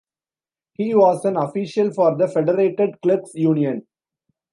He was an official for the Federated Clerks' Union.